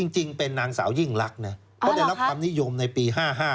จริงเป็นนางสาวยิ่งรักนะเขาได้รับความนิยมในปี๕๕